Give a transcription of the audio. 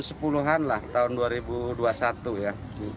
sepuluhan lah tahun dua ribu dua puluh satu ya